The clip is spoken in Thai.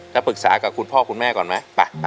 แล้วปรึกษากับคุณพ่อคุณแม่ก่อนไหมไป